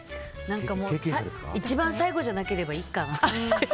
一番最後じゃなければいいかなって。